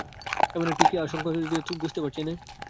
একদিনে এমনি কি অশক্ত হয়ে পড়েছি তা তো বুঝতে পারছি নে।